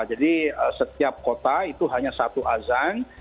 jadi setiap kota itu hanya satu azan